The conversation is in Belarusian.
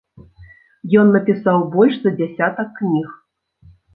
Ён напісаў больш за дзясятак кніг.